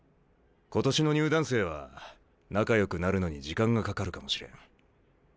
今年の入団生は仲よくなるのに時間がかかるかもしれん。